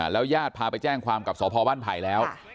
แล้วญาติพาไปแจ้งความกับสพบ้านไผ่แล้ว